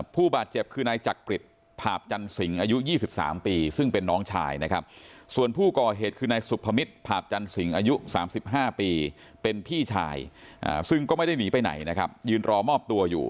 เป็นพี่ชายอ่าซึ่งก็ไม่ได้หนีไปไหนนะครับยืนรอมอบตัวอยู่